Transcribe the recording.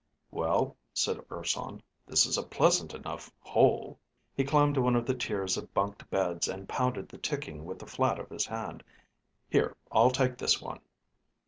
"Well," said Urson, "this is a pleasant enough hole." He climbed one of the tiers of bunked beds and pounded the ticking with the flat of his hand. "Here, I'll take this one.